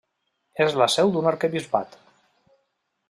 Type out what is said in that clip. És la seu d'un arquebisbat.